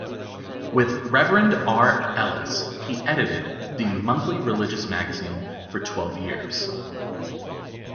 With Reverend R Ellis he edited "The Monthly Religious Magazine" for twelve years.